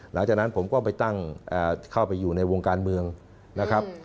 หลังจากนั้นผมก็ไปตั้งเข้าไปอยู่ในวงการเมืองนะครับ